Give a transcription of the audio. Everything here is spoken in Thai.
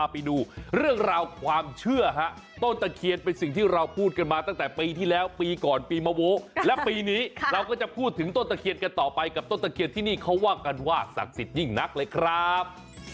ไปดูเรื่องราวความเชื่อฮะต้นตะเคียนเป็นสิ่งที่เราพูดกันมาตั้งแต่ปีที่แล้วปีก่อนปีมะโว้และปีนี้เราก็จะพูดถึงต้นตะเคียนกันต่อไปกับต้นตะเคียนที่นี่เขาว่ากันว่าศักดิ์สิทธิยิ่งนักเลยครับ